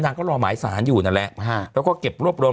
ก็รอหมายสารอยู่นั่นแหละแล้วก็เก็บรวบรวม